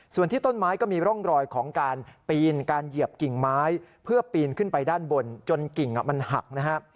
ส่วนที่ต้นไม้ก็มีร่องรอยของการปีนการเหยียบกิ่งไม้เพื่อปีนขึ้นไปด้านบนจนกิ่งมันหักนะฮะ